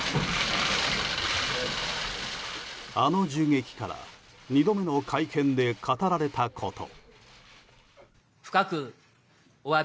あの銃撃から２度目の会見で語られたこと。